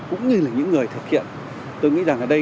cũng như là những người thực hiện